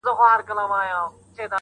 د وکيلي په حيث نه وه انتخاب شوې